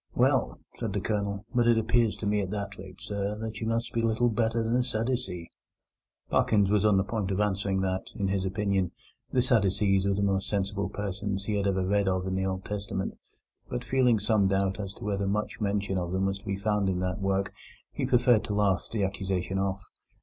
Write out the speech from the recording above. "Well," said the Colonel, "but it appears to me at that rate, sir, that you must be little better than a Sadducee." Parkins was on the point of answering that, in his opinion, the Sadducees were the most sensible persons he had ever read of in the Old Testament; but, feeling some doubt as to whether much mention of them was to be found in that work, he preferred to laugh the accusation off.